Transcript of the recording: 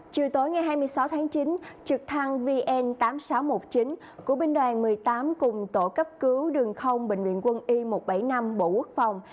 chiều tối ngày hai mươi sáu tháng chín trực thăng vn tám nghìn sáu trăm một mươi chín của binh đoàn một mươi tám cùng tổ cấp cứu đường không bệnh viện quân y một trăm bảy mươi năm bộ quốc phòng